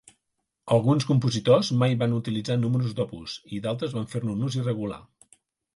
Alguns compositors mai van utilitzar números d'opus i altres van fer-ne un ús irregular.